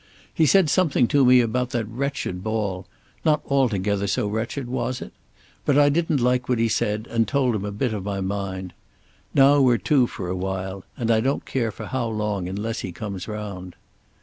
He said something to me about that wretched ball; not altogether so wretched! was it? But I didn't like what he said and told him a bit of my mind. Now we're two for a while; and I don't care for how long unless he comes round.